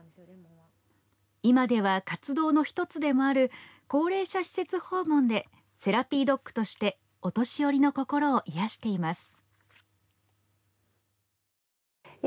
今では活動の１つでもある高齢者施設訪問でセラピードッグとしてお年寄りの心を癒やしています。